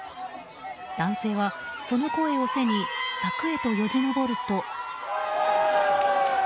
男性はその声を背に柵へとよじ登ると。